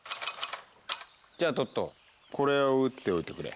じゃあトットこれを打っておいてくれ。